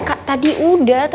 kak tadi udah